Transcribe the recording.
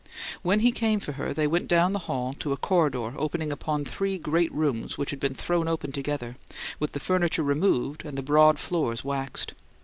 When he came for her, they went down the hall to a corridor opening upon three great rooms which had been thrown open together, with the furniture removed and the broad floors waxed.